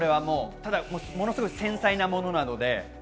ものすごく繊細なものなので。